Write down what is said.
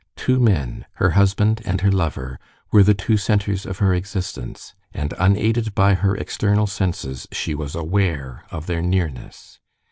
Two men, her husband and her lover, were the two centers of her existence, and unaided by her external senses she was aware of their nearness.